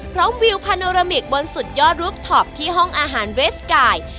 วิวพาโนรามิกบนสุดยอดรูปท็อปที่ห้องอาหารเวสกาย